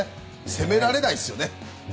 責められないですよね。